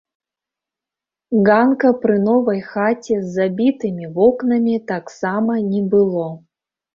Ганка пры новай хаце з забітымі вокнамі таксама не было.